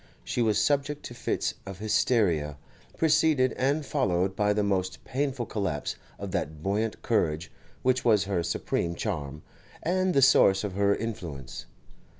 She was subject to fits of hysteria, preceded and followed by the most painful collapse of that buoyant courage which was her supreme charm and the source of her influence.